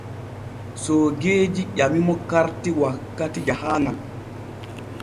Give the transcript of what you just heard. Soogeeji ƴamimo karti wakkati jahaaŋal.